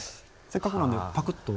せっかくなんでパクッと。